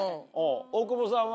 大久保さんは？